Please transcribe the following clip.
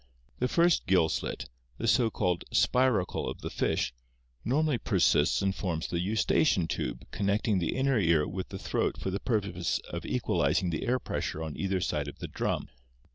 The first gill slit, the so called spiracle of the fish, normally persists and forms the eusta chian tube connecting the inner ear with the throat for the purpose of equalizing the air pressure on either side of the drum.